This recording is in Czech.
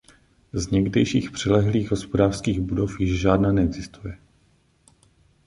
Z někdejších přilehlých hospodářských budov již žádná neexistuje.